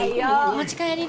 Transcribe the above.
持ち帰りで。